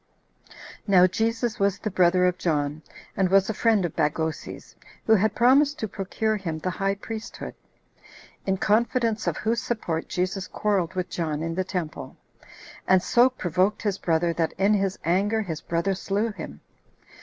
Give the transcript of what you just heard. Now Jesus was the brother of John, and was a friend of Bagoses, who had promised to procure him the high priesthood. In confidence of whose support, Jesus quarreled with John in the temple, and so provoked his brother, that in his anger his brother slew him.